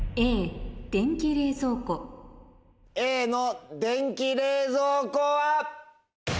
Ａの電気冷蔵庫は？